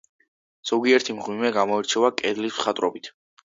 ზოგიერთი მღვიმე გამოირჩევა კედლის მხატვრობით.